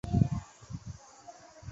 信浓国城主。